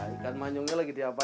ikan manyunya lagi di apa